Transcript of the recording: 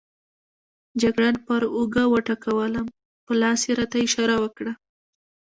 جګړن پر اوږه وټکولم، په لاس یې راته اشاره وکړه.